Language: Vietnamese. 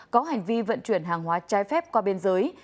có hành vi vận chuyển hàng hóa trái phép qua biên giới